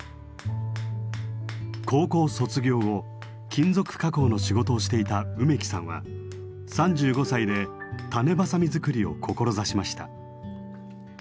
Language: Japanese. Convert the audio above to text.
高校卒業後金属加工の仕事をしていた梅木さんは３５歳で種子鋏づくりを志しました。